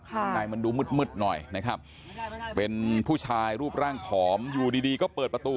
ข้างในมันดูมืดมืดหน่อยนะครับเป็นผู้ชายรูปร่างผอมอยู่ดีดีก็เปิดประตู